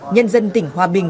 nhân dân tỉnh hòa bình